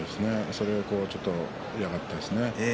それをちょっと嫌がったんです。